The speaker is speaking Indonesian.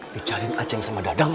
dicariin acing sama dadang